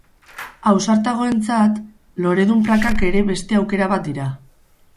Ausartagoentzat, loredun prakak ere beste aukera bat dira.